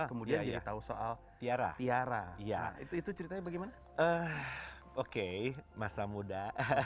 kemudian jadi tahu soal tiara tiara ya itu itu ceritanya bagaimana oke masa muda